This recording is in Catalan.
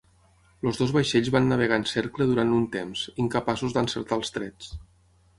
Els dos vaixells van navegar en cercle durant un temps, incapaços d'encertar els trets.